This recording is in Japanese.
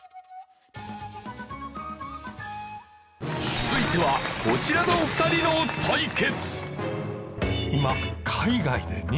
続いてはこちらの２人の対決。